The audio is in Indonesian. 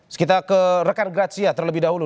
sekita ke rekan grazia terlebih dahulu